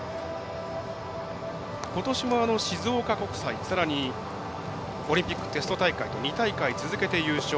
ことしも静岡国際さらにオリンピックテスト大会と２大会続けて優勝。